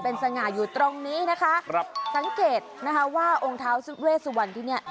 เป็นสง่าอยู่ตรงนี้นะคะครับสังเกตนะคะว่าองค์เท้าเวสวันที่เนี่ย